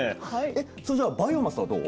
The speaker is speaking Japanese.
えっそれじゃあバイオマスはどう？